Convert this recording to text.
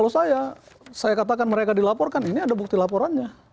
saya katakan mereka dilaporkan ini ada bukti laporannya